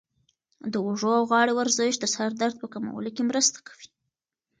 د اوږو او غاړې ورزش د سر درد په کمولو کې مرسته کوي.